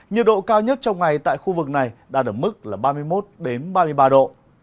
nhiệt độ cao nhất trong ngày tại khu vực này đạt ở mức là ba mươi một ba mươi ba độ